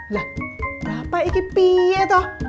lah apa ini pie tuh